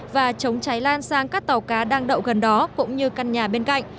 và chống cháy lan sang các tàu cá đang đậu gần đó cũng như căn nhà bên cạnh